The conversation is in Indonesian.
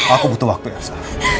aku butuh waktu elsa